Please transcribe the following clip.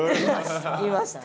「いました」。